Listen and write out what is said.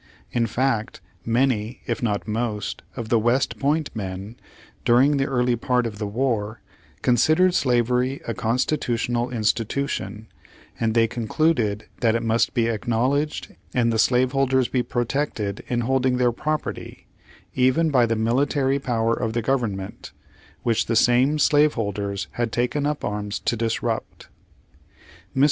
In fact many, if not most of the West Point men, during the early part of the war, considered slavery a constitutional institution, and they con cluded that it must be acknowledged and the slave holders be protected in holding their property, even by the military power of the government, which the same slaveholders had taken up arms to disrupt. Mr.